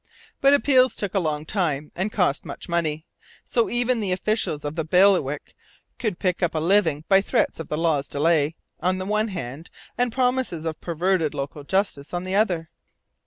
But appeals took a long time and cost much money; so even the officials of the bailiwick could pick up a living by threats of the law's delay, on the one hand, and promises of perverted local justice, on the other.